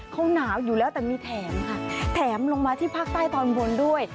เขาหนาวอยู่แล้วแต่มีแถมค่ะแถมลงมาที่ภาคใต้ตอนบนด้วย